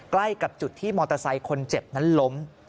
ใกล้กับจุดที่มอเตอร์ไซค์คนเจ็บนั้นล้ม